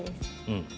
うん。